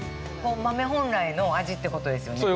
豆本来の味ってことですよね。